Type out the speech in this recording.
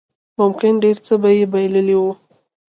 ممکن ډېر څه به يې بايللي وو.